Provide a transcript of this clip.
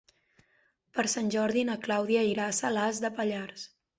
Per Sant Jordi na Clàudia irà a Salàs de Pallars.